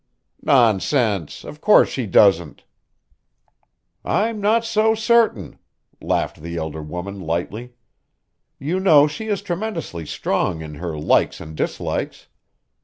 "Nonsense! Of course she doesn't." "I'm not so certain," laughed the elder woman lightly. "You know she is tremendously strong in her likes and dislikes.